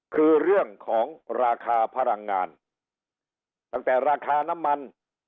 คือเรื่องของราคาพลังงานตั้งแต่ราคาน้ำมัน